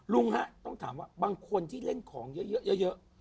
ลุงฮะต้องถามว่าบางคนที่เล่นของเยอะ